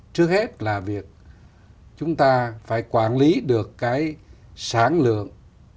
trước hết là việc chúng ta phải quản lý được cái sản lượng